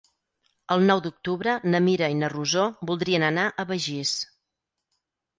El nou d'octubre na Mira i na Rosó voldrien anar a Begís.